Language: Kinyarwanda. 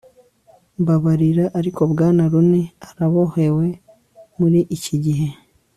mbabarira, ariko bwana rooney arabohewe muri iki gihe